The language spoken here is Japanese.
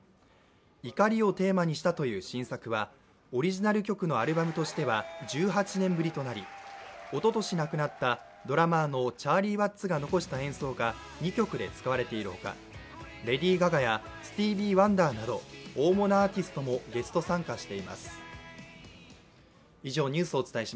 怒りをテーマにしたという新作はオリジナル曲のアルバムとしては１８年ぶりとなり、おととし亡くなったドラマーのチャーリー・ワッツが残した演奏が２曲で使われているほかレディー・ガガやスティーヴィー・ワンダーなど大物アーティストもゲスト参加しています。